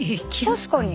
確かに。